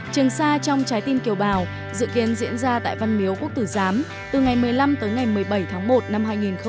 trường sa trong trái tim kiều bào dự kiến diễn ra tại văn miếu quốc tử giám từ ngày một mươi năm tới ngày một mươi bảy tháng một năm hai nghìn hai mươi